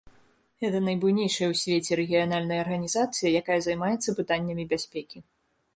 Гэта найбуйнейшая ў свеце рэгіянальная арганізацыя, якая займаецца пытаннямі бяспекі.